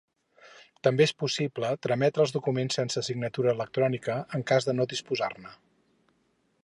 També és possible trametre els documents sense signatura electrònica, en cas de no disposar-ne.